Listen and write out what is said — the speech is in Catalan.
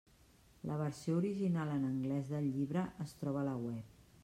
La versió original en anglès del llibre es troba a la web.